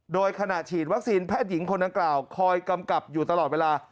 โดยขณะฉีดวัคซีนแพทย์หญิงคนดังกล่าวคอยกำกับอยู่ตลอดเวลา